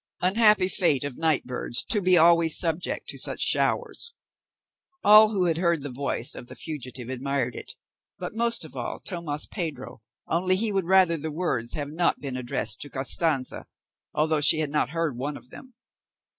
Unhappy fate of night birds, to be always subject to such showers! All who had heard the voice of the fugitive admired it, but most of all, Tomas Pedro, only he would rather the words had not been addressed to Costanza, although she had not heard one of them.